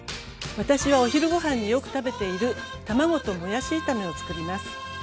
私はお昼ごはんによく食べている卵ともやし炒めをつくります。